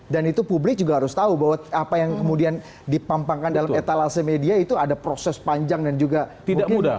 itu publik juga harus tahu bahwa apa yang kemudian dipampangkan dalam etalase media itu ada proses panjang dan juga mungkin